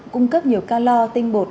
cung cấp nhiều calo tinh bột